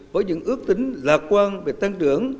với những ước tính lạc quan về tăng trưởng